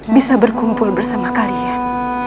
bisa berkumpul bersama kalian